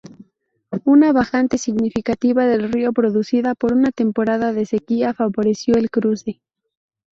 Una bajante significativa del río producida por una temporada de sequía favoreció el cruce.